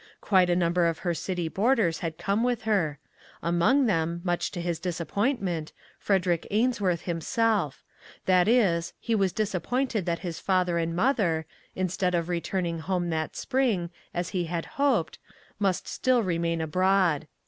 Quite a number of her city boarders had come with her. Among them, much to his disappointment, Frederick Ainsworth himself; that is, he was disappointed that his father and mother, instead of returning home that spring, as he had hoped, must still remain abroad.